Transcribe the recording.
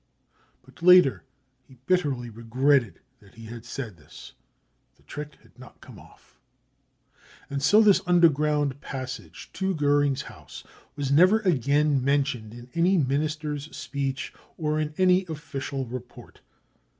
But later he bitterly regretted that he had said this. The trick had not come off. And so this under ground passage to Goering's house was never again men tioned in any Minister's speech or in any official report.